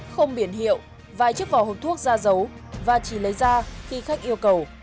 không biển hiệu vài chiếc vỏ hộp thuốc da dấu và chỉ lấy ra khi khách yêu cầu